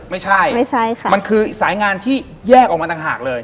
ไม่ใช่มันคือสายงานที่แยกออกมาต่างหากเลย